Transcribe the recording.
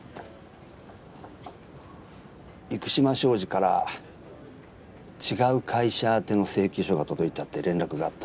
幾島商事から違う会社宛ての請求書が届いたって連絡があった。